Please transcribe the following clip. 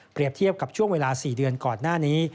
เทียบกับช่วงเวลา๔เดือนก่อนหน้านี้